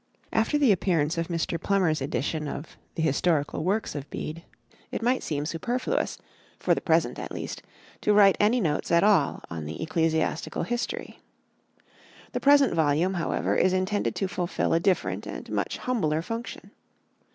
After the appearance of Mr. Plummer's edition of the Historical Works of Bede, it might seem superfluous, for the present at least, to write any notes at all on the "Ecclesiastical History." The present volume, however, is intended to fulfil a different and much humbler function.